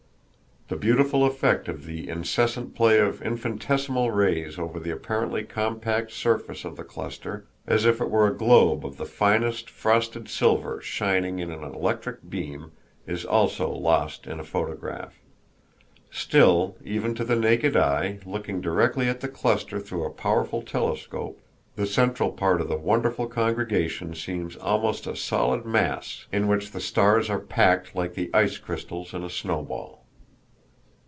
The beautiful effect of the incessant play of infinitesimal rays over the apparently compact surface of the cluster, as if it were a globe of the finest frosted silver shining in an electric beam, is also lost in a photograph. Still, even to the eye looking directly at the cluster through a powerful telescope, the central part of the wonderful congregation seems almost a solid mass in which the stars are packed like the ice crystals in a snowball.